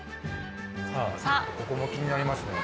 さあここも気になりますね。